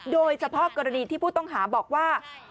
โดยเฉพาะกรณีที่ผู้ต้องหาบอกว่า